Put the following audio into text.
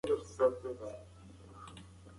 ماشوم په خوب کې د خپلې نیا نوم اخیستی و.